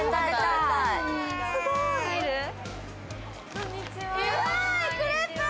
こんにちは。